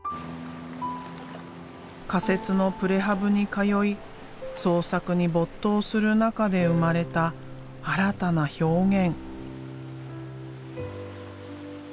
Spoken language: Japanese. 仮設のプレハブに通い創作に没頭する中で生まれた新たな表現。